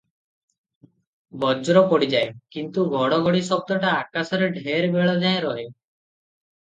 ବଜ୍ର ପଡ଼ିଯାଏ, କିନ୍ତୁ ଘଡ଼ଘଡ଼ି ଶବ୍ଦଟା ଆକାଶରେ ଢେର୍ ବେଳ ଯାଏ ରହେ ।